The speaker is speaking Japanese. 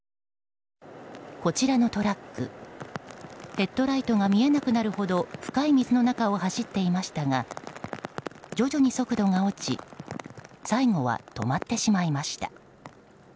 こちらのトラックヘッドライトが見えなくなるほど深い水の中を走っていましたが徐々に速度が落ち最後は止まってしまいました。